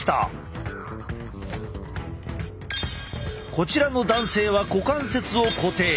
こちらの男性は股関節を固定。